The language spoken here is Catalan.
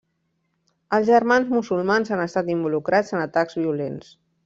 Els Germans Musulmans han estat involucrats en atacs violents.